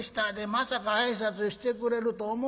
まさか挨拶してくれると思えへんがな。